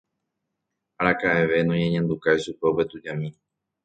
Araka'eve noñeñandukái chupe upe tujami.